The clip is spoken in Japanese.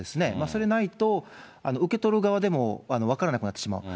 それないと、受け取る側でも分からなくなってしまう。